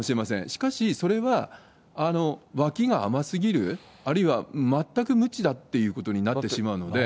しかしそれは、脇が甘すぎる、あるいは全く無知だっていうことになってしまうので。